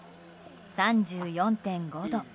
３４．５度。